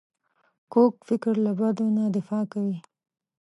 کوږ فکر له بدو نه دفاع کوي